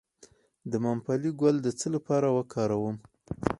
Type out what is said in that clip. د ممپلی ګل د څه لپاره وکاروم؟